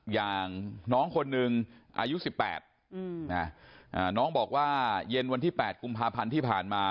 อย่างน้องคนหนึ่งอายุ๑๘น้องบอกว่าเย็นวันที่๘กุมภาพันธ์ที่ผ่านมา